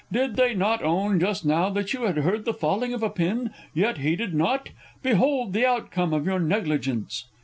Did they not own just now that you had heard The falling of a pin yet heeded not? Behold the outcome of your negligence!